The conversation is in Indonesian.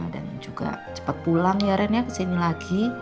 dan juga cepat pulang ya ren ya kesini lagi